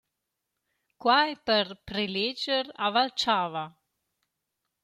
Quai per preleger a Valchava.